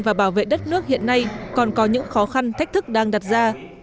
và bảo vệ đất nước hiện nay còn có những khó khăn thách thức đang đặt ra